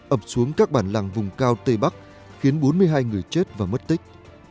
ập xuống các bản làng vùng cao tây bắc khiến bốn mươi hai người chết và mất tích